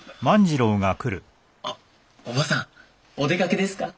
あ伯母さんお出かけですか？